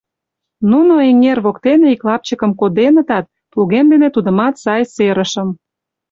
Нуно эҥер воктене ик лапчыкым коденытат, плугем дене тудымат сай серышым.